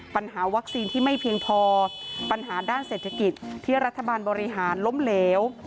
ปัญหาวัคซีนที่ไม่เพียงพอปัญหาด้านเศรษฐกิจที่รัฐบาลบริหารล้มเหลว